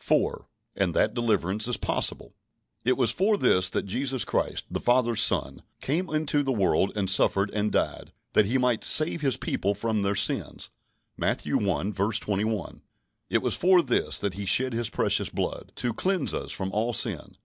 4. And that deliverance is possible. It was for this that Jesus Christ, the Father's Son, came into the world, and suffered and died, that He might "save His people from their sins" (Matthew i. 21). It was for this that He shed His precious blood: to "cleanse us from all sin."